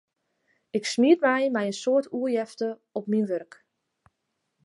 Ik smiet my mei in soad oerjefte op myn wurk.